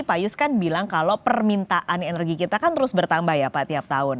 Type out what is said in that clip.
pak yus kan bilang kalau permintaan energi kita kan terus bertambah ya pak tiap tahun